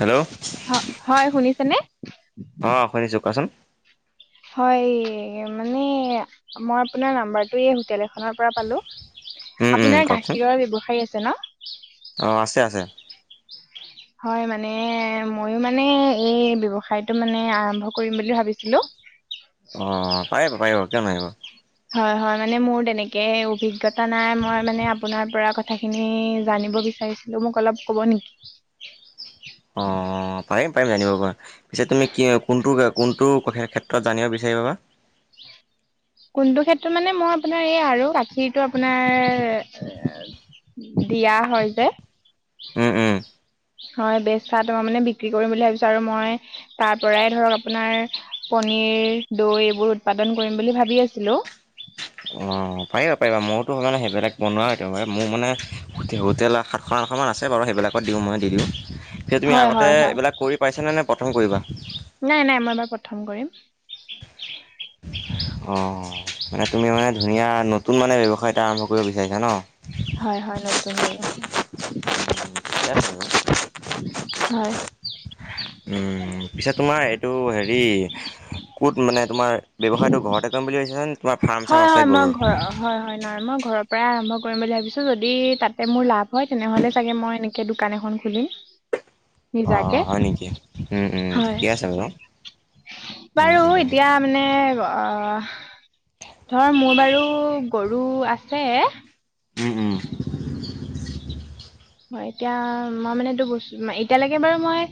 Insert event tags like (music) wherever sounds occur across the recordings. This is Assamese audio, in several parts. হেল্ল' হ হয় শুনিছে নে? অ শুনিছো কোৱাচোন? হয়। মানে মই আপোনাৰ নাম্বাৰটো এই হোটেল এখনৰ পৰা পালোঁ। উম উম আপোনাৰ কওকচোন গাখীৰৰ ব্যৱসায়ী আছে অঁ আছে ন। আছে হয় মানে, মইো মানে এই ব্যৱসায়টো মানে আৰম্ভ কৰিম বুলি ভাবিছিলো। অঁ পাৰিব পাৰিব কিয় নাইিব। হয় হয় মানে মোৰ তেনেকে অভিজ্ঞতা নাই। মই মানে আপোনাৰ পৰা কথাখিনি জানিব বিচাৰিছিলো। মোক অলপ কব নেকি? অ পাৰিম পাৰিম জানিব পাৰা। পিছে তুমি কি কোনটো কোনটো ক্ষেত্ৰত জানিব বিছা হেবাবা (unintelligible) কোনটো ক্ষেত্ৰত মানে মই আপোনাৰ এই আৰু গাখীৰতটো আপোনাৰ দিয়া হয় যে। উম উম। হয় বেচা তোমাৰ মানে বিক্ৰী কৰিম বুলি ভাবিছো। আৰু মই তাৰ পৰাই ধৰক আপোনাৰ পনীৰ, দৈ এইবোৰ উৎপাদন কৰিম বুলি ভাবি আছিলো। অ পাৰিবা পাৰিবাম মইও মানে সেইবিলাক বনোৱা মোৰ মানে হোটেল সাতশ আঠশ মান আছে বাৰু। সেইবিলাকত দিওঁ মই দি দিওঁ, সেই তুমি হয় আগতে হয় হয় এইবিলাক কৰি পাইছ নে নে প্ৰথম কৰিবা? নাই নাই মই এইবাৰ প্ৰথম কৰিম। অ মানে তুমি মানে ধুনীয়া নতুন মানে ব্যৱসায় এটা আৰম্ভ কৰিব বিচাৰিছা ন? হয় হয় নতুন ল গ (inaudible) স (unintelligible) হয়। উম পিছে তোমাৰ এইটো হেৰি ক'ত মানে তোমাৰ ব্যৱসায়টো ঘৰতে কৰিম বুলি ভাবিছানে? হয় হয় মই ঘ হয় হয় নাই মই ঘৰত পৰাই আৰম্ভ কৰিম বুলি ভাবিছো, যদি তাতে মোৰ লাভ হয় তেনেহলে চাগে মই এনেকে দোকান এখন খুলিম। অঁ নিজাকে অ হয় নেকি? হয় ঠিকে আছে বাৰু। উম, বাৰু উম, এতিয়া মানে অ ধৰ মোৰ বাৰু গৰু আছে উম উম (unintelligible) এতিয়া মই মানে এইটো বস্ত এতিয়ালৈকে বাৰু মই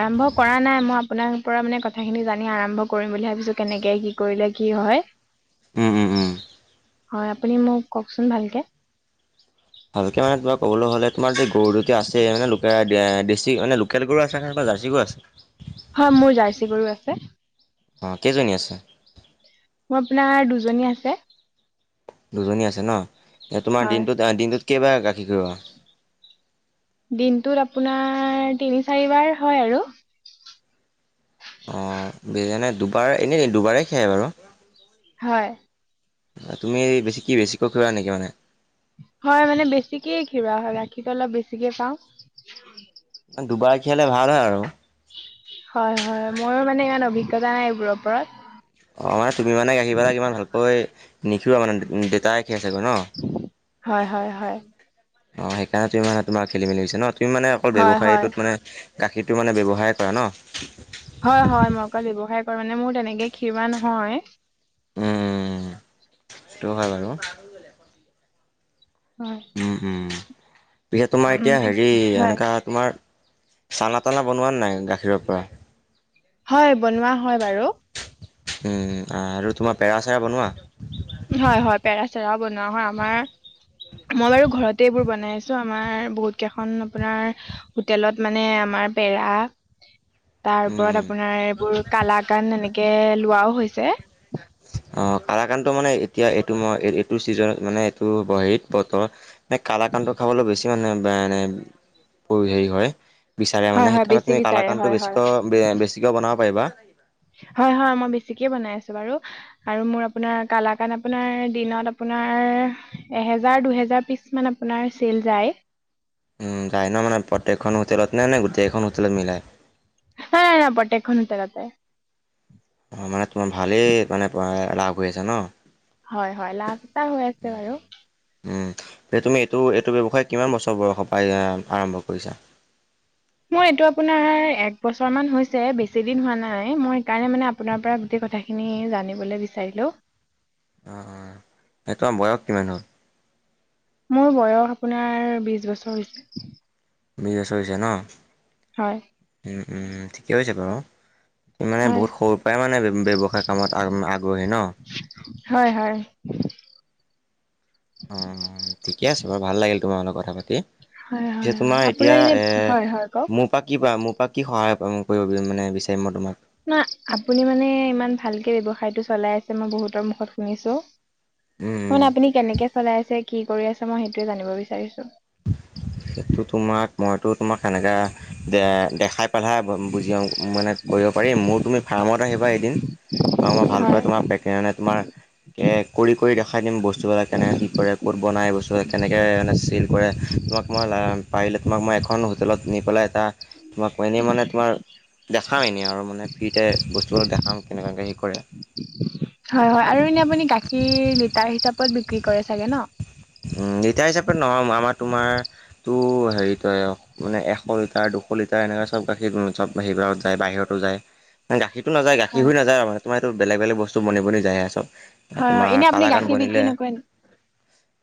আৰম্ভ কৰা নাই মই আপোনাৰ পৰা কথা খিনি জানি আৰম্ভ কৰিম বুলি ভাবিছো কেনেকে কি কৰিলে কি হয়। উম উম উম। হয় আপুনি মোক কওকচোন ভালকে। ভালকে মানে তোমাক ক'বলৈ হ'লে, তোমাৰ যে গৰু দুতি আছে মানে লি মানে লোকেল গৰু আছে জাৰ্চি গৰু আছে? হয় মোৰ জাৰ্চি গৰু আছে। অঁ কেইজনী আছে? মোৰ আপোনাৰ দুজনী আছে। দুজনী আছে ন? এ তোমাৰ হয় দিনটোত দিনটোত কেইবাৰ গাখীৰ ঘীৰৱা? দিনটোত আপোনাৰ তিনি চাৰিবাৰ হয় আৰু। অঁ (inaudible) দুবাৰ এনেই দুবাৰেই খিয়াই বাৰু হয়। তুমি বেছি কি বেছিকৈ খুওৱা নেকি মানে? হয় মানে বেছিকে ঘিৰোৱা হয়, গাখীৰটো অলপ বেছিকে পাওঁ। দুবাৰ খিয়লে ভাল হয় আৰু। হয় হয়। মইও মানে ইমান অভিজ্ঞতা নাই। এইবোৰৰ ওপৰত। অ' মানে তুমি মানে আহি পেলা কিমান ভালকৈ নিশি মানে দেতাই হয় হয় হয়। অ' সেইকাৰণে তুমি মানে তোমাৰ খেলি মেলি হৈছে ন? তোমি মানে অকল হয় হয় ব্যৱসায়ীটোত মানে গাখীৰ মানে ব্যৱসায় কৰা হয় হয় মই ন? অকল ব্যৱসায় মানে মোৰ তেনেকে ক্ষীৰৱা নহয়। উম সেইটো হয় বাৰু। হয় উম উম। পিছে তোমাৰ উম, এতিয়া হেৰি হয়, এনেকা তোমাৰ চানা তানা বনোৱোৱা নাই গাখীৰৰ পৰা। হয় বনোৱা হয় বাৰু। উম আৰু তোমাৰ পেৰা চেৰা বনোৱা? হয় হয় পেৰাচেৰাও বনোৱা হয়, আমাৰ মই বাৰু ঘৰতে এইবোৰ বনাই আছো, আমাৰ বহুত কেইখন আপোনাৰ হোটেলত মানে আ আমাৰ পেৰা তাৰ উম ওপৰত আপোনাৰ এইবোৰ কালাকান এনেকে লোৱাও হৈছে। অ কালাকানটো মানে এতিয়া এইটো মই এইটো ছিজনত মানে এইটো (unintelligible) বতৰ। মানে কালাকানটো খাবলৈ বেছি মানে (unintelligible) এ হেৰি হয়। বিচাৰে হয়, মানে হয় সেইকাৰণে বেছি তুমি বিচাৰে কালাকানটো হয়, হয়, বেছিকৈ-বেছিকৈও বনাব পাৰিবা। হয়-হয় মই বেছিকে বনাই আছো বাৰু আৰু মোৰ আপোনাৰ কালাকান আপোনাৰ দিনত আপোনাৰ আমাৰ এহেজাৰ-দুহেজাৰ পিছ মান আপোনাৰ চেল যায়। উম! যায় ন মানে প্ৰত্যেকখন হোটেলত নে-নে গোটেইকেখন হোটেলত মিলাই? (unintelligible) প্ৰত্যেকখন হোটেলতে অ'! মানে তোমাৰ ভালেই মানে লাভ হৈ আছে ন? হয়-হয়। লাভ এটা হৈ আছে বাৰু। উম, তুমি এইটো-এইটো ব্যৱসায় কিমান বছৰ বয়সৰ পাই এ আৰম্ভ কৰিছা? মোৰ এইটো আপোনাৰ এক বছৰমান হৈছে। বেছি দিন হোৱা নাই, মই সেইকাৰণে মানে আপোনাৰ পৰা গোটেই কথাখিনি জানিবলে বিচাৰিলো। অ', অ' সেই তোমাৰ বয়স কিমান হ'ল? মোৰ বয়স আপোনাৰ বিশ বছৰ হৈছে। বিশ বছৰ হৈছে ন? হয়। উম-উম! ঠিকে হৈছে বাৰু। মানে হয় বহুত সৰুৰ পৰাই মানে ব্যৱসায় কামত আগ্ৰহী ন? হয় হয়। (inaudible) অ'-অ' ঠিকে আছে বাৰু ভাল লাগিল তোমাৰ লগত কথা পাতি। হয় পিছে হয় হয় তোমাৰ এতিয়া আপোনাৰ এনে এ হয় হয় কওক মোৰ পৰা কি বা মোক মোৰ পৰা কি সহায় পাম কৰিব মানে বিচাৰিম মই তোমাক? না আপুনি মানে ইমান ভালকে ব্যৱসায়টো চলাই আছে। মই বহুতৰ মুখত শুনিছোঁ। উম, উম। মানে আপুনি কেনেকে চলাই আছে কি কৰি আছে মই সেইটোৱেই জানিব বিচাৰিছো? (inaudible) সেইটো তোমাক মইতো তোমাক সেনেকা দে দেখাই পালেহে বুজি (unintelligible) মানে কৰিব পাৰি মোৰ তুমি ফাৰ্মত আহিবা এদিন। তোমাক মই ভালকৈ হয় (unintelligible) তোমাৰ এ কৰি-কৰি দেখাই দিম। বস্তুবিলাক কেনেকে কি কৰে, ক'ত বনাই বস্তুবিলাক, কেনেকে মানে চেইল কৰে তোমাক মই (unintelligible) পাৰিলে তোমাক মই এখন হোটেলত নি পেলাই এটা তোমাক এনেই মানে তোমাৰ দেখাম এনেই আৰু মানে ফ্ৰীতে বস্তুবিলাক দেখাম কেনেকুৱাকৈ হেৰি কৰে। হয়-হয় আৰু এনে আপুনি গাখীৰ লিটাৰ হিচাপত বিক্ৰী কৰে চাগে ন? উম লিটাৰ হিচাপে নহয়। আমাৰ তোমাৰ তো হেৰিত কৰে আও মানে এশ লিটাৰ তাৰ দুশ লিটাৰ এনেকৈ চব গাখীৰ, চব গাখীৰবিলাকত যায় বাহিৰতো যায় (unintelligible) গাখীৰ নাযায় গাখীৰ হয় হৈ নাযায়। তোমাৰ এইটো বেলেগ-বেলেগ বস্তু বনি-বনি যায় আও সব। হয় হয় তোমাৰ এনে আপুনি কালাকান গাখীৰ বনিলে। বিক্ৰী নকৰে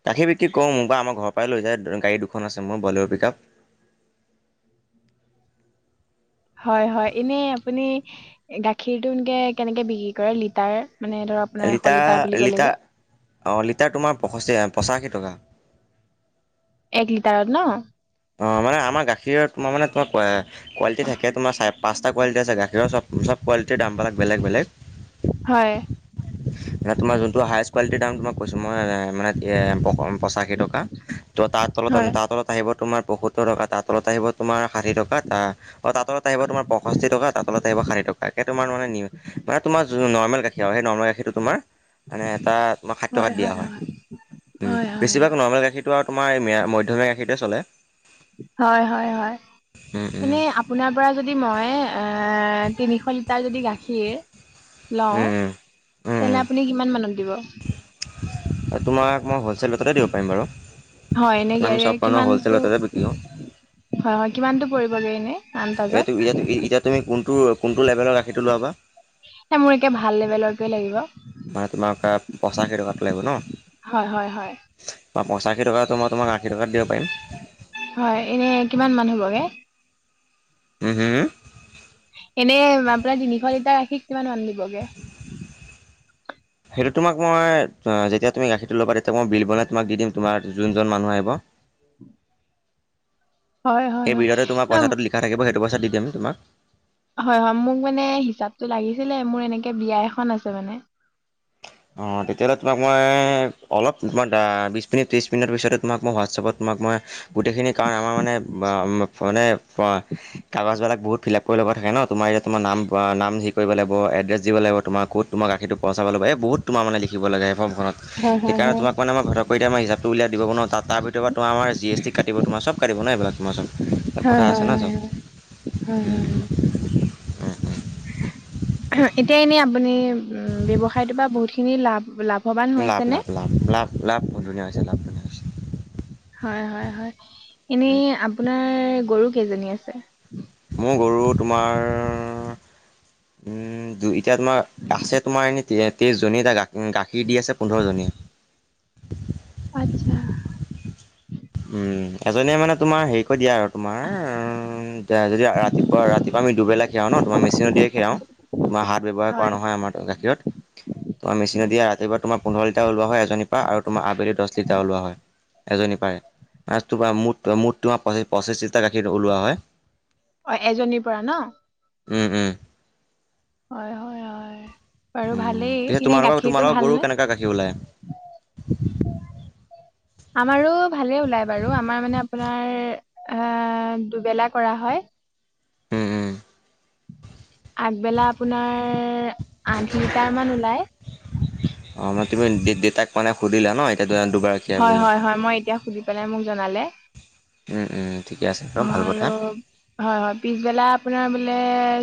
গাখীৰ বিক্ৰী কৰোঁ, মোৰ বা আমাৰ ঘৰৰ পৰাই লৈ যায়। গাড়ী দুখন আছে মোৰ বলেৰ পিকআপ। (inaudible) হয়, হয়। এনেই আপুনি গাখীৰটো কেনেকে বিক্ৰী কৰে? লিটাৰ মানে ধৰ আপোনাৰ এশ লিটাৰ, বুলি আ ক'লে যে লিটাৰ। অ' লিটাৰ তোমাৰ পষষ্ঠি কে পঁচাশী টকা। এক লিটাৰত ন? অ' মানে আমাৰ গাখীৰত, ম‌ই মানে তোমাৰ কোৱালিটি থাকে। তোমাৰ চাই পাঁচটা কোৱালিটি আছে। গাখীৰৰ চব-চব কোৱালিটিৰ দামবিলাক বেলেগ-বেলেগ। হয়। মানে তোমাৰ যোনটো হাইচ কোৱালিটিৰ দাম তোমাক কৈছোঁ, মই মানে পঁচাশী টকা। ত' তাৰ তলত, হয় তাৰ তলত আহিব তোমাৰ পসত্তৰ টকা তাত। তলত আহিব তোমাৰ ষাঠি টকা, তা-তাৰ তলত আহিব তোমাৰ পয়ষষ্ঠি টকা, তাৰ তলত আহিব ষাঠি টকা। ইকেই তোমাৰ মানে মানে তোমাৰ নৰ্মেল গাখীৰ আৰু। সেই গাখীৰটো তোমাৰ মানে এটা তোমাৰ ষাথী টকাত দিয়া হয়। উম, হয় হয় বেছিভাগ নৰ্মেল গাখীৰটো আৰু তোমাৰ মধ্যমীয়া গাখীৰটোৱে চলে। হয় হয় হয়। উম, উম, এনেই আপোনাৰ পৰা যদি মই এ' তিনিশ লিটাৰ যদি গাখীৰ লওঁ, উম, উম। তেন্তে আপুনি কিমান মানত দিব? তোমাক মই হলচছেলটতে দিব পাৰিম বাৰু। হয় এনে কাৰণ আমি গাড়ী চব কিমানটো হ'লচেলতে বিক্ৰী কৰোঁ। হয় হয়। কিমানটো পৰিবগৈ এনেই? এই, এতিয়া তুমি কোনটো লেভেলৰ গাখীৰটো লোৱা বা এ' মোৰ একে ভাল লেবেলৰটোৱে লাগিব। মানে তোমাৰ পঁচাশী টকাৰটো লাগিব ন? হয় হয় হয় বা পঁচাশী টকাটো মই তোমাক আশী টকাত দিব পাৰিম হয় এনেই কিমান মান হ'বগে? হুম হুম হুম। এনেই আপোনাৰ তিনিশ লিটাৰ গাখীৰ কিমান মান দিবগে? সেইটো তোমাক মই, যেতিয়া তুমি গাখীৰটো ল'বা তেতিয়া মই বিল বনাই তোমাক দি দিম। তোমাৰ যোনজন মানুহ আহিব। (inaudible) হয় হয় সেই হয় বিলতে তোমাৰ ন পইচাটো লিখা থাকিব, সেইটো পইচা দি দিম তোমাক। হয় হয়। মোক মানে হিচাপটো লাগিছিলে, মোৰ এনেকে বিয়া এখন আছে মানে! অ' তেতিয়াহ'লে তোমাক মই, অলপমান বিশ মিনিট- ত্ৰিশ মিনিট পিছতে মই তোমাক মই গোটেইখিনি কাৰণ, আমাৰ মানে মানে কাগজবিলাক বহুত ফিলাপ কৰি ল'ব থাকে ন! তোমাৰ এতিয়া তোমাৰ নাম, হেৰি কৰিব লাগিব, এড্ৰেচ দিব লাগিব। তোমাৰ ক'ত গাখীৰটো পহচাব লাগিব। এই বহুত তোমাৰ মানে লিখিব লাগে ফৰ্মখনত। হয় হয় সেইকাৰণে হয় তোমাক মানে মই ঘৰত গৈ মই হিচাপটো উলিয়াই দিব (unintelligible) তাৰ ভিতৰত পৰা তোমাৰ জিএছটি কাটিব। তোমাৰ চব কাটিব ন, এইবিলাক তোমাৰ চব। কথা হয় আছে হয় ন চব! হয় হয় হয় এতিয়া এনেই আপুনি উম, ব্যৱসায়টোৰ পৰা বহুতখিনি লাভ লাভ লাভ লাভ। লাভ লাভ। লাভ ধুনীয়া হৈছে লাভ। হৈছে হয় হয় হয়। এনেই আপোনাৰ গৰু কেইজনী আছে? মোৰ গৰু তোমাৰ, (inaudible) উম দুই, এতিয়া তোমাৰ আছে তোমাৰ এনেই তেইশজনীয়ে, এতিয়া গাখীৰ দি আছে পোন্ধৰজনীয়ে। আচ্ছা। উম, এজনীয়ে মানে তোমাৰ হেৰি দিয়া আৰু তোমাৰ যদি ৰাতিপুৱা ৰাতিপুৱা আমি দুবেলা খীৰাও ন তোমাৰ মেচিনত দিয়ে খীৰাও। তোমাৰ হাত ব্যয়ৱহাৰ কৰা হয় নহয় আমাৰ গাখীৰত তোমাৰ মেচিনত দিয়ে আৰু। এইবাৰ তোমাৰ পোন্ধৰ লিটাৰ ওলোৱা হয় এজনী পৰা আৰু তোমাৰ আবেলি দহ লিটাৰ ওলোৱা হয় এজনী পৰাই। মুঠ তোমাৰ পঁচিশ লিটাৰ গাখীৰ ওলোৱা হয়। অ এজনীৰ পৰা ন। উম উম। হয় হয় হয়। বাৰু উম' ভালেই পিছে এনে তোমালোকৰ গাখীৰটো তোমালোকৰ গৰু ভালনে? কেনেকুৱা গাখীৰ ওলায়? (unintelligible) আমাৰো ভালে ওলাই বাৰু আমাৰ মানে আপোনাৰ- আঁহ দুবেলা কৰা হয়। উম উম। আগবেলা আপোনাৰ- আঠ লিটাৰ মান ওলাই। অ মানে তুমি দে দেউতাক মানে সুধিলা ন এতিয়া দু দুগৰাকীয়ে হয় বুলি হয় হয় মই এতিয়া সুধি পেলাই মোক জনালে। উম উম ঠিকে আছে অ বাৰু ভাল কথা আৰু হয় হয় পিছবেলা আপোনাৰ বোলে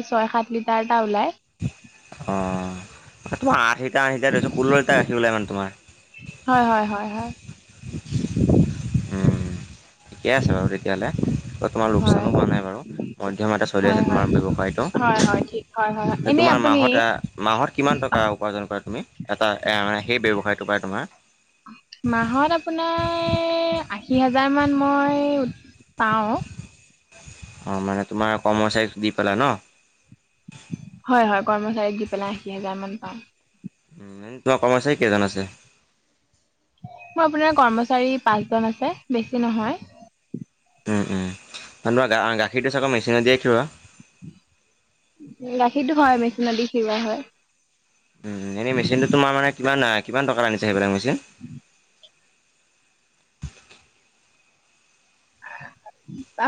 ছয় সাত লিটাৰটা ওলাই। অ তোমাৰ আ সেই আঠলিটাৰ আঠলিটাৰ ধৰিছো ষোল্ল‌ লিটাৰ গাখি ওলায় মানে তোমাৰ হয় হয় হয় হয় উম ঠিকে আছে বাৰু তেতিয়াহ'লে। তোমাৰ হয় লোকচানো হোৱা নাই বাৰু। মধ্যমতে চলি আছে হয় হয় তোমাৰ হয় হয় ঠিক হয় হয় হয় ব্যৱসায়টো। এনেই তোমাৰ আপুনি মাহত এ মাহত কিমান টকা উপাৰ্জন কৰা তুমি? এটা এ মানে সেই ব্যৱসায়টো পাই তোমাৰ, মাহত আপোনাৰ আশী হাজাৰ মান মই পাওঁ। অ মানে তোমাৰ কৰ্ম চাৰীক দি পেলাই ন? হয় হয় কৰ্মচাৰীক দি পেলাই আশী হাজাৰ মান পাওঁ। তোমাৰ কৰ্ম চাৰী কেইজন আছে? মোৰ আপোনাৰ কৰ্মচাৰী পাঁচজন আছে বেছি নহয়। উম উম গাখীৰটো চাগৈ মেচিনতে খীৰোৱা? গাখীৰতো হয় মেচিন দি খীৰোৱা হয়। এনেই মেচিনটো তোমাৰ মানে কিমান কিমান টকা আনিছা সেইবিলাক মেচিন?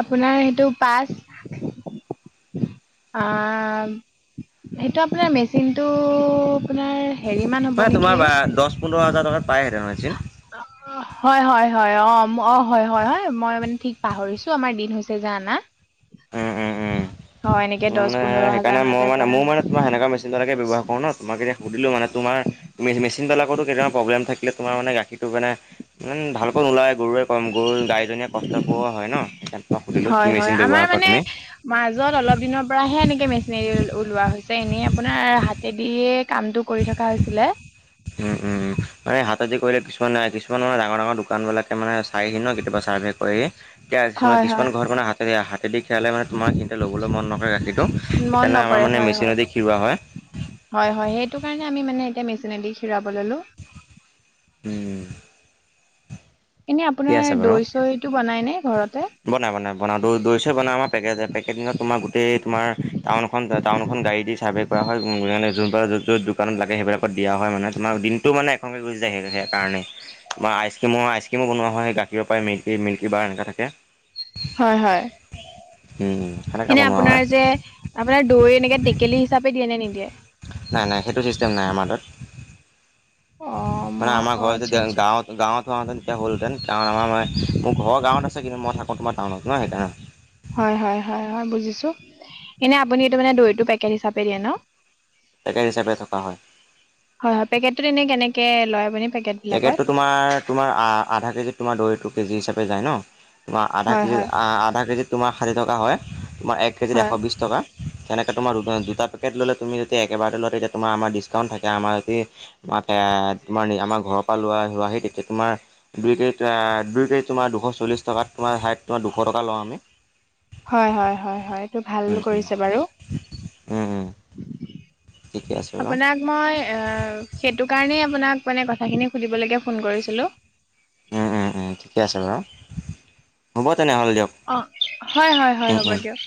আপোনাৰ সেইটো পাচ আহ সেইটো আপোনাৰ মেচিনটো আপোনাৰ হেৰি মান মানে হ'ব তোমাৰ নেকি, বা দহ পোন্ধৰ হাজাৰ টকাত পায়হেঁতেন মেচিন। হয় হয় হয় অ অ হয় হয় হয় মই মানে ঠিক পাহৰিছো আমাৰ দিন হৈছে যে আনা। উ উম উম। হয় এনেকে ত দহ মানে পোন্ধৰ হাজাৰ সেইকাৰণে মানতে মানে পৰা মোৰ মানে তোমাৰ কেনেকুৱা মেচিনে ব্যৱহাৰ কৰো ন তোমাক এতি সুধিলো মানে তোমাৰ ত চিনবেলাকত কেতিয়াবা প্ৰব্লেম থাকিলে তোমাৰ মানে গাখীৰটো মানে মানে ভালকৈ নোলায় গৰুৱে কম গৰুৰ গাইজনীয়ে কষ্ট পোৱা হয় ন। সেই কাৰণে সুধিলো হয় কি হয় মেচিন আমাৰ ব্যৱহাৰ কৰা মানে তুমি? মাজত অলপ দিনৰ পৰাহে এনেকে মেচিনেদি ওলোৱা হৈছে। এনেই আপোনাৰ হাতে দিয়ে উম উম মানে হাত দি কৰিলে কিছু মান কিছুমানৰ ডাঙৰ ডাঙৰ দোকানবিলাক মানে চাই ন কেতিয়াবা চাৰ্ভ কৰে। হয় হয় কিছুমান ঘৰত মানে হতে হাতেদি খিয়ালে মানে তোমাৰ সিহঁতে লবলৈ মন নকৰে গাখীৰ। মন সেইকাৰণে আমাৰ নকৰে মানে হয় হয় মেচিনেদি খিৰোৱা হয়। সেইটো কাৰণে আমি মানে এতিয়া মেচিনেদি খিৰাব ল'লোঁ। উম এনে ঠিকে আপোনাৰ আছে বাৰু দৈ চৈটো বনাই নে ঘৰতে? বনাই বনাই বনাই দৈ ছৈ চব বনাও পেকেটজ তোমাৰ তোমাৰ টাউনখন টাউনখন গাড়ী দি চাৰ্ভে কৰা হয় যোনব যত য'ত দোকানত লাগে সেইবিলাকত দিয়া হয় মানে তোমাৰ দিনটো মানে এখনকে গুচি য স সেই কাৰণে। তোমাৰ আইচক্ৰীমো আইচ ক্ৰীমো বনোৱা হয়। নয়েই গাখীৰৰ পৰাই মিল্কী মিল্কী বাৰ এনেকা থাকে। হয় হয়। উম সেনেকৈ এনে বনোৱা হয় আপোনাৰ যে আপোনাৰ দৈ এনেকে টেকেলি হিচাপে দিয়ে নে নিদিয়ে? নাই নাই। সেইটো ছিষ্টেম নাই আমাৰ তাত। অ ম মানে আমাৰ অ ঘৰ আচ্ছা আচ্ছা গাঁৱত গাঁৱত। তে তে হ'লহেঁতেন কাৰণ আমাৰ ম মোৰ ঘৰ গাৱত আছে কিন্তু মই থাকোঁ‌। তোমাৰ টাউনত ন সেই কাৰণে। হয় হয় হয় বুজিছো। এনে আপুনি দৈটো পেকেট হিচাপে দিয়ে ন? পেকেট হিচাপে থকা হয় হয় হয়। পেকেটো এনে কেনেকে লয় আপুনি? পেকেট বিলাকত পেকেটটো তোমাৰ তোমাৰ আধা কেজিত তোমাৰ দৈটো কেজি হিচাপে যায় ন? তোমাৰ আধা হয় কেজিত হয় আধা কেজিত তোমাৰ ষাঠি টকা হয়। তোমাৰ এক কেজিত এশ হয় বিশছ টকা। তেনেকৈ তোমাৰ দু দুটা পেকেট ল'লে। তুমি যদি একেবাৰতে লোৱা তেতিয়া তোমাৰ আমাৰ ডিছকাউণ্ট থাকে। আমাৰ যদি মতে তোমাৰ আমাক ঘৰৰ পৰা লোৱা হোৱাহি তেতিয়া তোমাৰ দুই কেজি দুই কেজি তোমাৰ দুশ চল্লিছ টকাত তোমাৰ হাইট তোমাৰ দুশ টকা লওঁ আমি। হয়, হয়, হয়, হয় এইটো ভাল উম, উম, কৰিছে বাৰু। উম, উম, ঠিকে আছে বাৰু। আপোনাক মই অ' সেইটো কাৰণেই আপোনাক- মানে কথাখিনি সুধিবলৈকে ফোন কৰিছিলো। উম, উম, উম ঠিকে আছে বাৰু হব তেনেহ'লে দিয়ক। অ' হয়, হয়, হয় উম, হ'ব উম, দিয়ক।